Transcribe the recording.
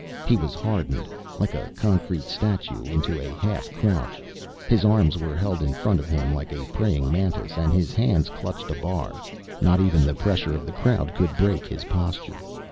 He was hardened, like a concrete statue, into a half crouch. His arms were held in front of him like a praying mantis', and his hands clutched a bar. Not even the pressure of the crowd could break his posture.